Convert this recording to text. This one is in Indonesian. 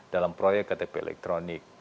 dalam proyek ktp elektronik